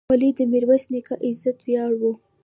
خولۍ د میرویس نیکه عزت ویاړ و.